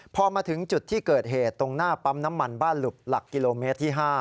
พอมาถึงจุดที่เกิดเหตุตรงหน้าปั๊มน้ำมันบ้านหลุบหลักกิโลเมตรที่๕